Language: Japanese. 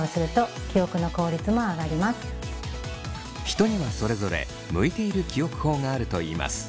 人にはそれぞれ向いている記憶法があるといいます。